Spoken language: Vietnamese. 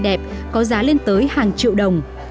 đẹp có giá lên tới hàng triệu đồng